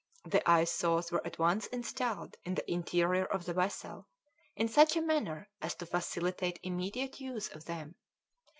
The ice saws were at once installed in the interior of the vessel, in such a manner as to facilitate immediate use of them.